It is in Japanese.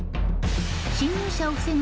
侵入者を防ぐ